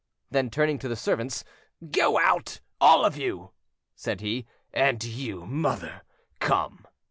Then turning to the servants, "Go out, all of you," said he; "and you, mother, come."